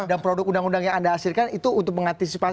dan produk undang undang yang anda hasilkan itu untuk mengantisipasi